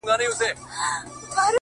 چاته يې لمنه كي څـه رانــه وړل _